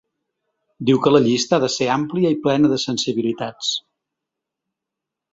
Diu que la llista ha de ser àmplia i plena de sensibilitats.